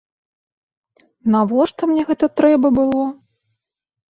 Навошта мне гэта трэба было?